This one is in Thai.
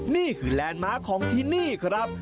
นี่คือแลนด์มาของที่นี่ครับ